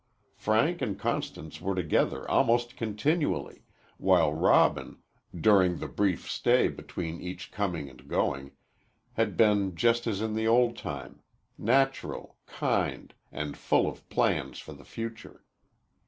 Frank and Constance were together almost continually, while Robin, during the brief stay between each coming and going, had been just as in the old time natural, kind and full of plans for the future.